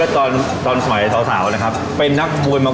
จริงแล้วเนี่ยเริ่มต้นเลยนะคะ